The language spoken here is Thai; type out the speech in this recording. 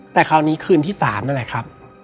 แต่คราวนี้คืนที่๓นั่นแหละครับ